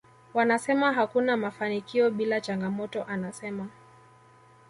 Wanasema hakuna mafanikio bila changamoto anasema